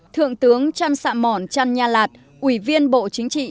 thượng tướng trăn sạm mòn trăn nha lạt ủy viên bộ chính trị